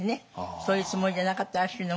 そういうつもりじゃなかったらしいの。